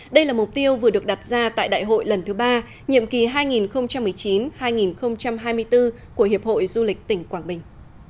đây là mục tiêu vừa được đặt ra tại đại hội lần thứ ba nhiệm kỳ hai nghìn một mươi chín hai nghìn hai mươi bốn của hiệp hội du lịch tỉnh quảng bình